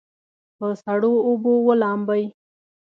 په سړو اوبو ولامبئ.